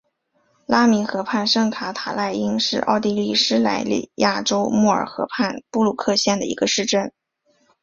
拉明河畔圣卡塔赖因是奥地利施蒂利亚州穆尔河畔布鲁克县的一个市镇。